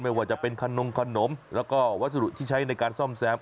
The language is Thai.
ไม่ว่าจะเป็นขนงขนมแล้วก็วัสดุที่ใช้ในการซ่อมแซม